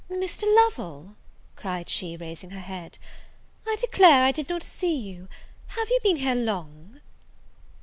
"Mr. Lovel!" cried she, raising her head, "I declare I did not see you: have you been here long?"